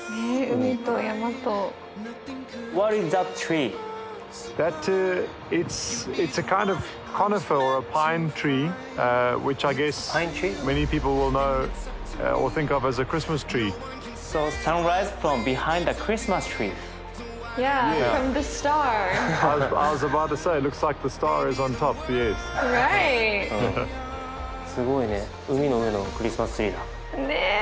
海の上のクリスマスツリーだ。